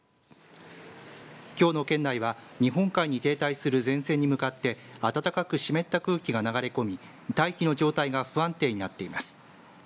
きょうの県内は日本海に停滞する前線に向かって暖かく湿った空気が流れ込み大気の状態が不安定になっています。